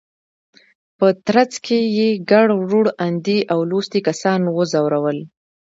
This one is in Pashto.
په ترڅ کې یې ګڼ روڼ اندي او لوستي کسان وځورول.